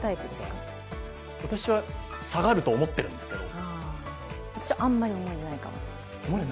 私は、下がると思ってるんですけど私、あんまり思い入れないかも。